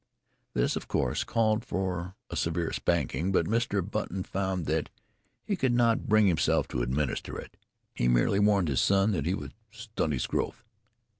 This, of course, called for a severe spanking, but Mr. Button found that he could not bring himself to administer it. He merely warned his son that he would "stunt his growth."